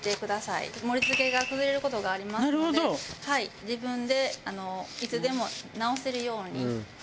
盛り付けが崩れる事がありますので自分でいつでも直せるように。